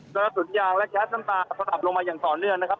ตระสุดยางและแคร์มตาขับลบลงมาอย่างต่อเนื่องนะครับ